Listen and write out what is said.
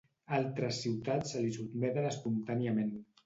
Altres ciutats se li sotmeten espontàniament.